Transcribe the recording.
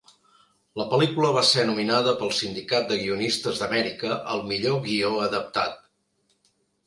La pel·lícula va ser nominada pel Sindicat de Guionistes d'Amèrica al millor guió adaptat.